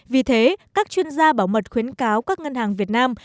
vì thế các chuyên gia bảo mật khuyến cáo các ngân hàng việt nam